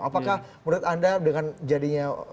apakah menurut anda dengan jadinya